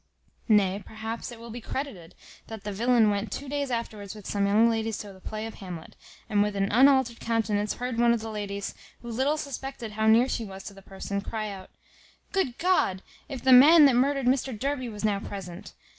Nay, perhaps, it will be credited, that the villain went two days afterwards with some young ladies to the play of Hamlet; and with an unaltered countenance heard one of the ladies, who little suspected how near she was to the person, cry out, "Good God! if the man that murdered Mr Derby was now present!"